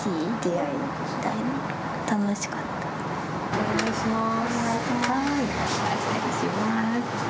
お願いします。